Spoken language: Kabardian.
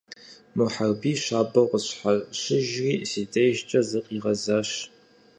Мухьэрбий щабэу къысщхьэщыжри си дежкӀэ зыкъигъэзащ.